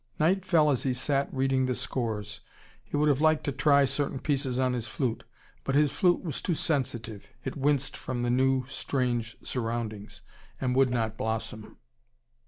Night fell as he sat reading the scores. He would have liked to try certain pieces on his flute. But his flute was too sensitive, it winced from the new strange surroundings, and would not blossom.